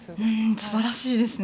素晴らしいですね。